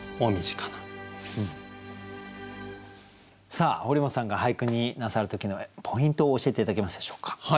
さあ堀本さんが俳句になさる時のポイントを教えて頂けますでしょうか。